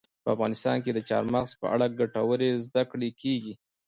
په افغانستان کې د چار مغز په اړه ګټورې زده کړې کېږي.